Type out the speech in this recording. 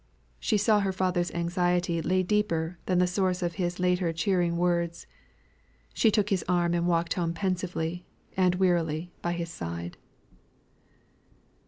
She saw her father's anxiety lap deeper than the source of his latter cheering words. She took his arm and walked home pensively and wearily by his side.